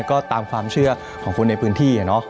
ก็ตามความเชื่อของคนในพื้นที่